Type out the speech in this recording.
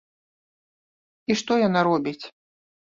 І што яна робіць?